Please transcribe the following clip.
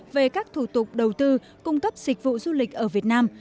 về các thủ tục đầu tư cung cấp dịch vụ du lịch ở việt nam